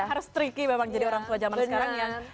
harus tricky memang jadi orang tua zaman sekarang yang